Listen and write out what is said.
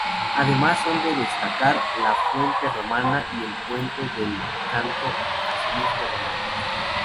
Además son de destacar la fuente romana y el Puente del Canto, asimismo romano.